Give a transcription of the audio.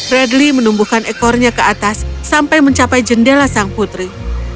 radly menumbuhkan ekornya ke atas sampai mencapai jendela sang putri